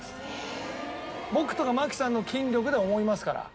僕とか槙さんの筋力で思いますから。